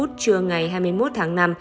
trưa ngày hai mươi một tháng năm